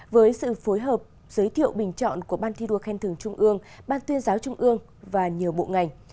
với sự phối hợp giới thiệu bình chọn của ban thi đua khen thưởng trung ương ban tuyên giáo trung ương và nhiều bộ ngành